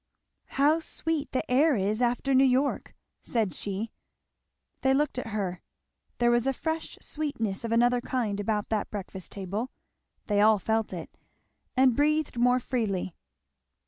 "How sweet the air is after New York!" said she. They looked at her. There was a fresh sweetness of another kind about that breakfast table. They all felt it, and breathed more freely.